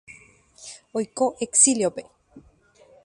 Oiko exiliope.